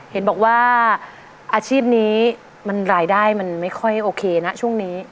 เห็นบอกว่าอาชีพนี้มันรายได้มันไม่ค่อยโอเคนะช่วงนี้